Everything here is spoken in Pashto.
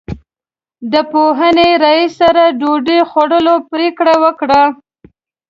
د پوهنې رئیس سره ډوډۍ خوړلو پرېکړه وکړه.